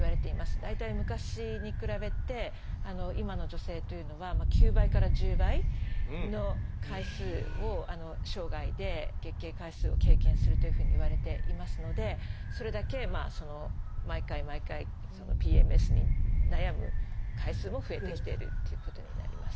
大体昔に比べて今の女性というのは９倍から１０倍の回数を生涯で月経回数を経験するというふうにいわれていますのでそれだけ毎回毎回ＰＭＳに悩む回数も増えてきているっていうことになります。